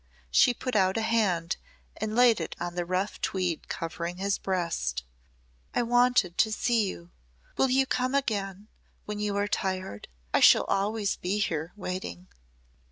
She put out a hand and laid it on the rough tweed covering his breast. "I wanted to see you. Will you come again when you are tired? I shall always be here waiting."